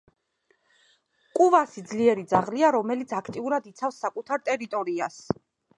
კუვასი ძლიერი ძაღლია, რომელიც აქტიურად იცავს საკუთარ ტერიტორიას.